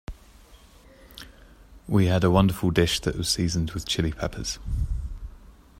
We had a wonderful dish that was seasoned with Chili Peppers.